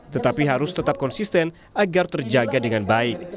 tetapi harus tetap konsisten agar terjaga dengan baik